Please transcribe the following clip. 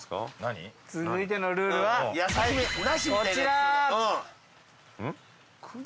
続いてのルールはこちら！